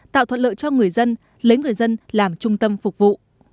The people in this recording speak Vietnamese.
tạo thuận lợi cho người dân lấy người dân làm trung tâm phục vụ